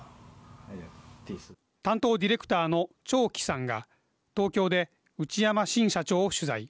担当ディレクターの趙奇さんが東京で内山深社長を取材。